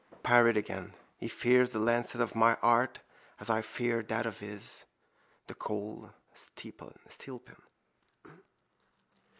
Parried again. He fears the lancet of my art as I fear that of his. The cold steel pen.